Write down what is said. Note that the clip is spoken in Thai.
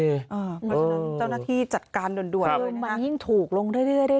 เพราะฉะนั้นเจ้านักที่จัดการด่วนด่วนเริ่มมันยิ่งถูกลงเรื่อย